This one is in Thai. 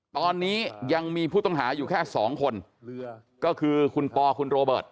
ตอนนี้ยังมีผู้ต้องหาอยู่แค่สองคนก็คือคุณปอคุณโรเบิร์ต